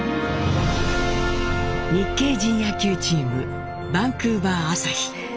日系人野球チームバンクーバー朝日。